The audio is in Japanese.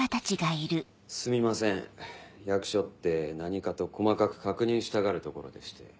すみません役所って何かと細かく確認したがるところでして。